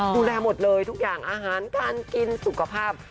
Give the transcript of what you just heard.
ดูแลหมดเลยทุกอย่างอาหารการกินสุขภาพ